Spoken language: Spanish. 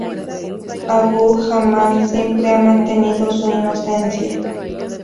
Abu-Jamal siempre ha mantenido su inocencia.